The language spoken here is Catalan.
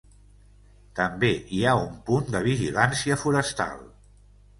També hi ha un punt de vigilància forestal.